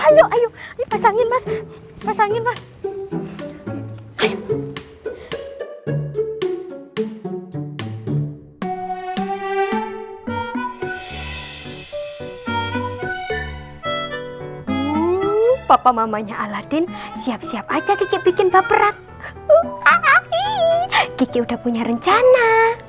nih viva pamamanya aladdin siap siap aja kiki bikin baperat kiki udah punya rencana